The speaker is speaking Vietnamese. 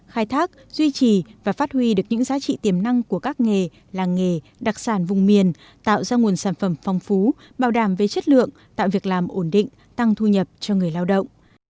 khai thác duy trì và phát huy được những giá trị tiềm năng của các nghề làng nghề đặc sản vùng miền tạo ra nguồn sản phẩm phong phú bảo đảm về chất lượng tạo việc làm ổn định tăng thu nhập cho người lao động